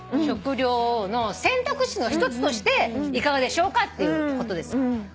食料の選択肢の一つとしていかがでしょうかっていうことです。